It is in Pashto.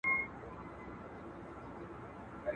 دې کوترو ته ورخلاصه لو فضا وه ..